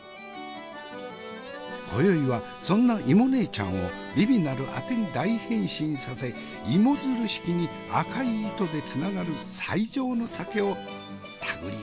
今宵はそんな芋ねえちゃんを美味なるあてに大変身させ芋づる式に赤い糸でつながる最上の酒を手繰り寄せようではないか。